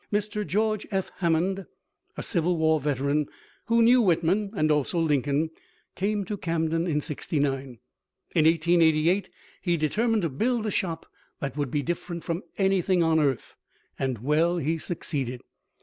Mr. George F. Hammond, a Civil War veteran, who knew Whitman and also Lincoln, came to Camden in '69. In 1888 he determined to build a shop that would be different from anything on earth, and well he succeeded.